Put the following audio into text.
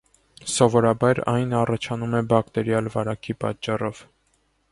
Սովորաբար այն առաջանում է բակտերիալ վարակի պատճառով։